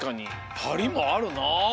「パリッ」もあるなあ。